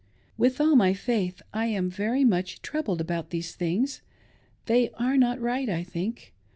With all my faith, I am very much troubled about these things. They are not right, I think.